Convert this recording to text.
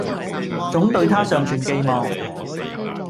總對她尚存寄望